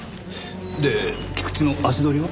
で菊池の足取りは？